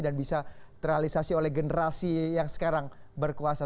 dan bisa terrealisasi oleh generasi yang sekarang berkuasa